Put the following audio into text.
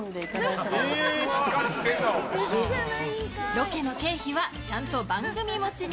ロケの経費はちゃんと番組持ちに。